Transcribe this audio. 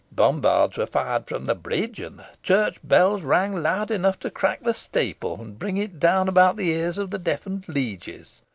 Bombards were fired from the bridge, and the church bells rang loud enough to crack the steeple, and bring it down about the ears of the deafened lieges.